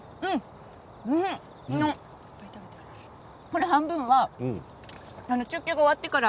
これ半分は中継が終わってから。